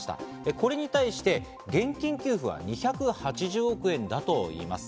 これにに対して現金給付は２８０億円だといいます。